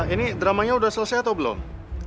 ini dramanya sudah selesai atau belum